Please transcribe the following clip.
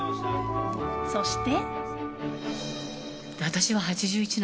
そして。